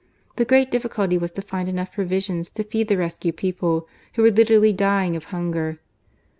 The great difficulty was to find enough pro visions to feed the rescued people, who were literally dying of hunger.